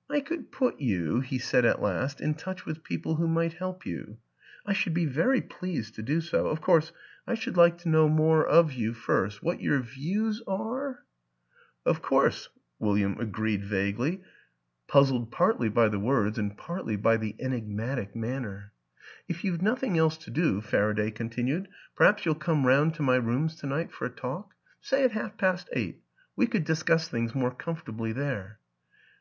" I could put you," he said at last, " in touch with people who might help you. I should be very pleased to do so. ... Of course, I should like to know more of you first what your views are "" Of course," William agreed vaguely, puzzled 10 WILLIAM AN ENGLISHMAN partly by the words and partly by the enigmatic manner. " If you've nothing else to do," Faraday con tinued, " perhaps you'll come round to my rooms to night for a talk? Say at half past eight. We could discuss things more comfortably there."